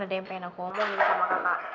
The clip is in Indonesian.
ada yang pengen aku omongin sama kakak